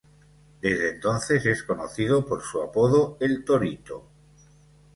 Desde entonces es conocido por su apodo El Torito.